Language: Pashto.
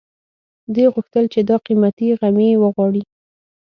دوی غوښتل چې دا قيمتي غمی وغواړي